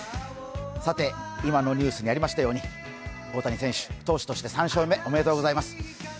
さて、今のニュースにありましたように大谷選手、投手として３勝目、おめでとうございます。